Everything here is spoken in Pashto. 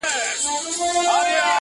سړي وویل کالیو ته مي ګوره!!